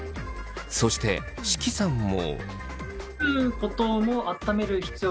そして識さんも。